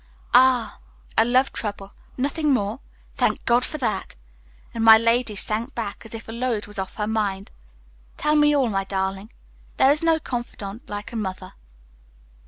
"Ah, a love trouble, nothing more? Thank God for that!" And my lady sank back as if a load was off her mind. "Tell me all, my darling; there is no confidante like a mother."